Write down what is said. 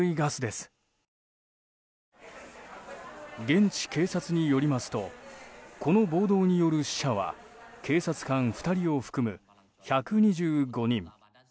現地警察によりますとこの暴動による死者は警察官２人を含む１２５人。